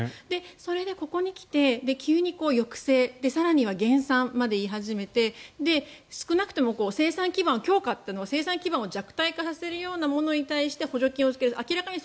それで、ここに来て急に抑制更には減産まで言い始めて少なくとも生産基盤強化というのは生産基盤を弱体化させるようなものに補助金をつける。